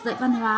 dạy văn hóa